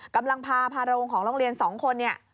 กำลังพาพารองของโรงเรียนสองคน